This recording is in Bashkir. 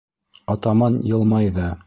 Атаман йылмайҙы.